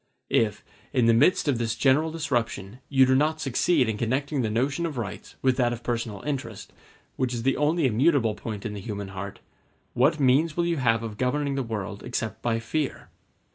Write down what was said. If, in the midst of this general disruption, you do not succeed in connecting the notion of rights with that of personal interest, which is the only immutable point in the human heart, what means will you have of governing the world except by fear?